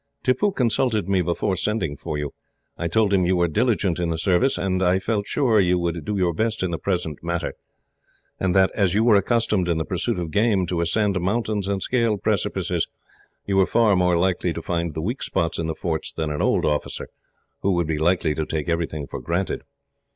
Tippoo consulted me before sending for you. I told him you were diligent in the service, and I felt sure you would do your best in the present matter; and that, as you were accustomed, in the pursuit of game, to ascend mountains and scale precipices, you were far more likely to find the weak spots in the forts than an old officer, who would be likely to take everything for granted.